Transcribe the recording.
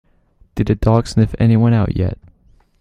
Did the dog sniff anyone out yet?